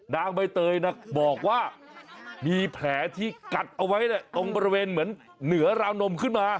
ใบเตยบอกว่ามีแผลที่กัดเอาไว้ตรงบริเวณเหมือนเหนือราวนมขึ้นมา